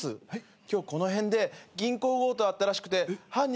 今日この辺で銀行強盗あったらしくて犯人